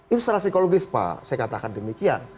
itu secara psikologis pak saya katakan demikian